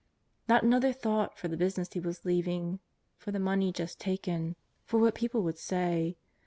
^ot another thought for the business he was leaving, for the money just taken, for what people would say.